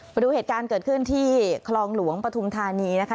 ไปดูเหตุการณ์เกิดขึ้นที่คลองหลวงปฐุมธานีนะคะ